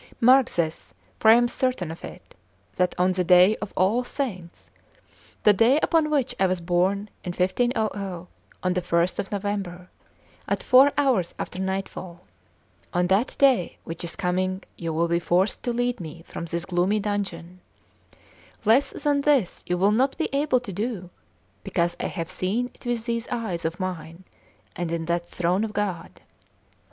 Mark this, for I am certain of it, that on the day of All Saints, the day upon which I was born in 1500, on the first of November, at four hours after nightfall, on that day which is coming you will be forced to lead me from this gloomy dungeon; less than this you will not be able to do, because I have seen it with these eyes of mine and in that throne of God.